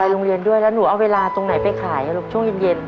โรงเรียนด้วยแล้วหนูเอาเวลาตรงไหนไปขายลูกช่วงเย็น